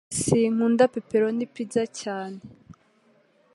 Sinkunda pepperoni pizza cyane.